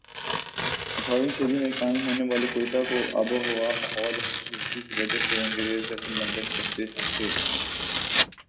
اٹھارہویں صدی میں قائم ہونے والے کوئٹہ کو آب و ہوا ماحول اور خوبصورتی کی وجہ سے انگریز لٹل لندن کہتے تھے